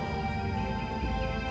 dan saat ini